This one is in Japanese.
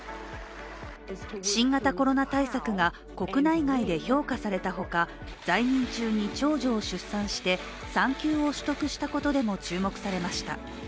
新型コロナ対策が国内外で評価されたほか在任中に長女を出産して産休を取得したことでも注目されました。